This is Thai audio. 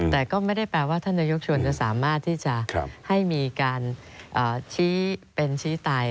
แต่ก็ไม่ได้แปลว่าท่านนายกชวนจะสามารถที่จะให้มีการชี้เป็นชี้ตาย